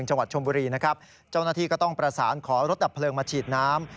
เจ้าหน้าที่ก็ต้องประสานขอรถดับเผลิงมาฉีดน้ำ